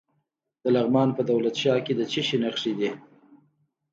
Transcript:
د لغمان په دولت شاه کې د څه شي نښې دي؟